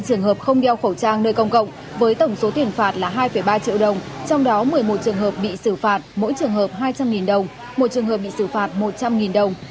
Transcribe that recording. hai mươi trường hợp không đeo khẩu trang nơi công cộng với tổng số tiền phạt là hai ba triệu đồng trong đó một mươi một trường hợp bị xử phạt mỗi trường hợp hai trăm linh đồng một trường hợp bị xử phạt một trăm linh đồng